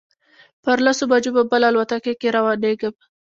پر لسو بجو به بله الوتکه کې روانېږم.